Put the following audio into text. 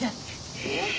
えっ！